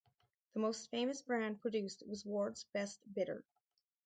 The most famous brand produced was Wards Best Bitter.